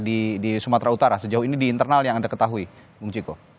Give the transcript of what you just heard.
di sumatera utara sejauh ini di internal yang anda ketahui bung ciko